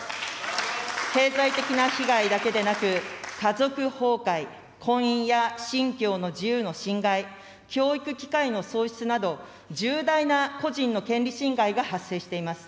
経済的な被害だけでなく、家族崩壊、婚姻や信教の自由の侵害、教育機会の喪失など、重大な個人の権利侵害が発生しています。